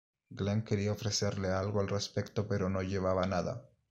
Glenn quería ofrecerle algo al respecto, pero no llevaba nada.